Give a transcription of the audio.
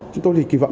chúng tôi thì kỳ vọng